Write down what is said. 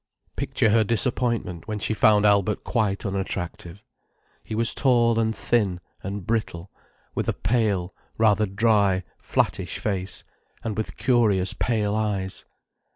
Picture her disappointment when she found Albert quite unattractive. He was tall and thin and brittle, with a pale, rather dry, flattish face, and with curious pale eyes.